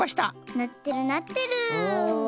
なってるなってる。